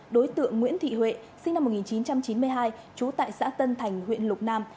đối tượng nguyễn thị huệ sinh năm một nghìn chín trăm chín mươi hai trú tại xã tân thành huyện lục nam